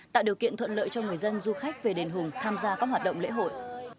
tạo điều kiện thuận lợi cho người dân du khách về đền hùng tham gia các hoạt động lễ hội